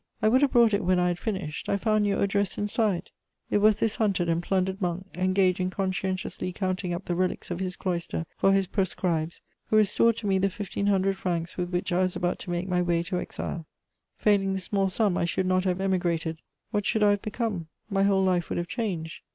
"I would have brought it when I had finished: I found your address inside." [Sidenote: An honest monk.] It was this hunted and plundered monk, engaged in conscientiously counting up the relics of his cloister for his proscribes, who restored to me the fifteen hundred francs with which I was about to make my way to exile. Failing this small sum, I should not have emigrated: what should I have become? My whole life would have changed.